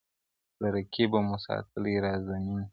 له رقیبه مو ساتلی راز د میني -